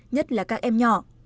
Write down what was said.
nhất là các em nhỏ